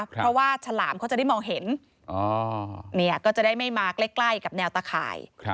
เพราะว่าฉลามเขาจะได้มองเห็นก็จะได้ไม่มาใกล้กับแนวตะข่าย